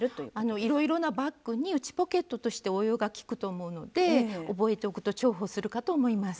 いろいろなバッグに内ポケットとして応用が利くと思うので覚えておくと重宝するかと思います。